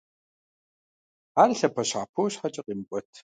Ар лъэпощхьэпо щхьэкӀэ къимыкӀуэт.